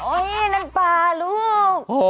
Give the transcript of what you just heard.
โอ๊ยนั่นปลาลูก